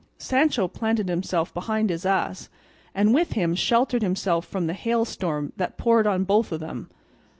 Sancho planted himself behind his ass, and with him sheltered himself from the hailstorm that poured on both of them.